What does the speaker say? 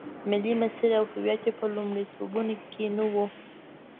ملي مسیر او هویت یې په لومړیتوبونو کې نه و.